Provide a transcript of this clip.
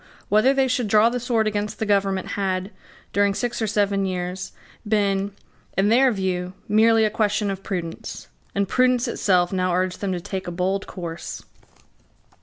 Whether they should draw the sword against the government had, during six or seven years, been, in their view, merely a question of prudence; and prudence itself now urged them to take a bold course.